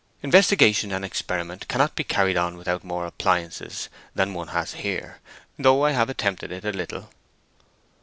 Investigation and experiment cannot be carried on without more appliances than one has here—though I have attempted it a little."